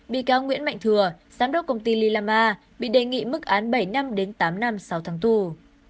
bị cáo nguyễn mạnh thừa giám đốc công ty lila ma bị đề nghị bức án bảy tám năm sau tháng tù